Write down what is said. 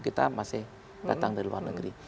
kita masih datang dari luar negeri